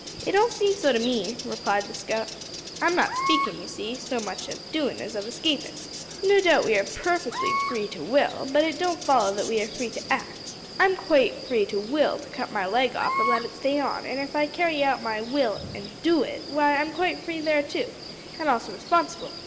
"It don't seem so to me," replied the scout, "I'm not speakin', you see, so much of doin' as of escapin'. No doubt we are perfectly free to will, but it don't follow that we are free to act. I'm quite free to will to cut my leg off or to let it stay on; an' if I carry out my will an' do it, why, I'm quite free there too an' also responsible.